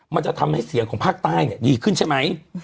มันจะทำให้เสียงของภาคใต้ดีขึ้นใช่ไหม